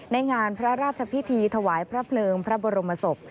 ในงานพระราชพิธีถวายพระเพลิงพระบรมศพ